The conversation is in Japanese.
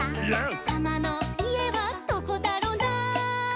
「タマのいえはどこだろな」